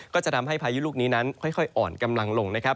ก็จะทำให้พายุลูกนี้นั้นค่อยอ่อนกำลังลงนะครับ